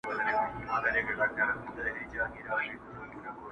چي راویښ سوم سر مي پروت ستا پر زنګون دی,